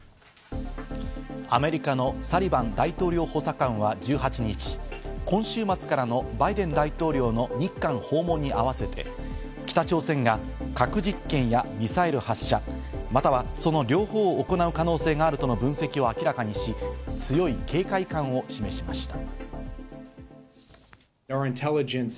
アメリカのサリバン大統領補佐官は１８日、今週末からのバイデン大統領の日韓訪問に合わせて北朝鮮が核実験やミサイル発射、またはその両方を行う可能性があるとの分析を明らかにし、強い警戒感を示しました。